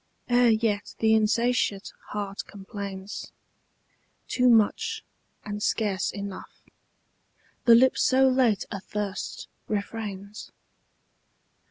Ere yet the insatiate heart complains 'Too much, and scarce enough,' The lip so late athirst refrains.